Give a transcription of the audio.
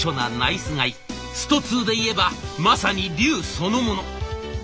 「ストⅡ」でいえばまさにリュウそのもの。